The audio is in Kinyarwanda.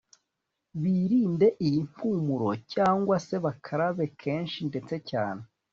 birinde iyi mpumuro cyangwa se bagakaraba kenshi ndetse cyane